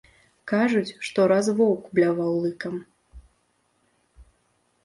Кажуць, што раз воўк бляваў лыкам.